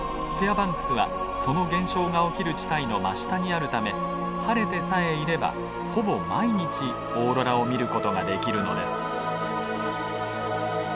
バンクスはその現象が起きる地帯の真下にあるため晴れてさえいればほぼ毎日オーロラを見る事ができるのです。